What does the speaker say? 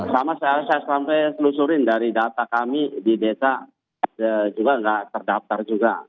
sama saya sampai selusurin dari data kami di desa juga nggak terdaftar juga